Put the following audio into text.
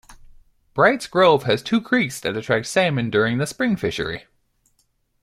Brights Grove has two creeks that attract salmon during the spring fishery.